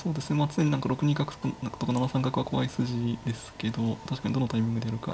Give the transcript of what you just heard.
常に何か６二角とか７三角が怖い筋ですけど確かにどのタイミングでやるか。